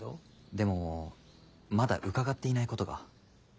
でもまだ伺っていないことが。